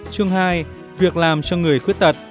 chương hai việc làm cho người khuất tật